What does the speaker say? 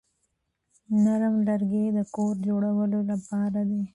نرم لرګي د کور جوړولو لپاره دي.